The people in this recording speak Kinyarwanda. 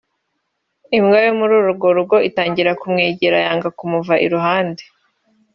imbwa yo muri urwo rugo itangira kumwegera yanga kumuva iruhande